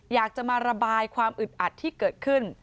อยากจะมาระบายความอึดอัดที่เกิดขึ้น